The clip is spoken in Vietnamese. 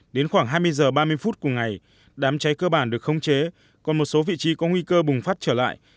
đến khoảng hai mươi h ba mươi phút cùng ngày đám cháy cơ bản được không chế còn một số vị trí có nguy cơ bùng phát trở lại